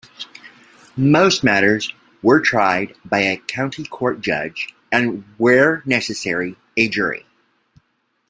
Most matters were tried by a county court judge, and where necessary, a jury.